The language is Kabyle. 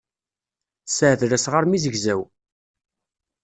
Sseɛdel asɣar mi zegzaw.